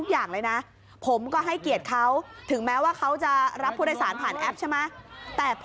อย่าขอความเป็นธรรมนะ